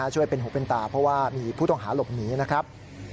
ช่วยเป็นหูเป็นตาเพราะว่ามีผู้ต้องหาหลบหนีนะครับ